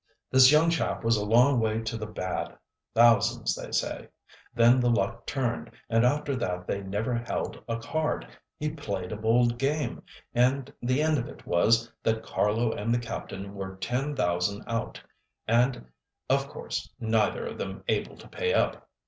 This young chap was a long way to the bad—thousands, they say. Then the luck turned, and after that they never held a card. He played a bold game, and the end of it was that Carlo and the Captain were ten thousand out, and of course neither of them able to pay up.